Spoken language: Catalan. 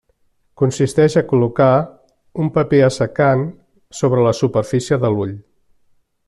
Consisteix a col·locar un paper assecant sobre la superfície de l'ull.